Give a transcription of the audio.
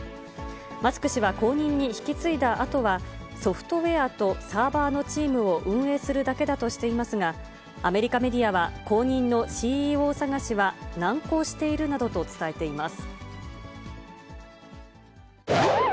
マスク氏は後任に引き継いだあとは、ソフトウェアとサーバーのチームを運営するだけだとしていますが、アメリカメディアは、後任のＣＥＯ探しは難航しているなどと伝えています。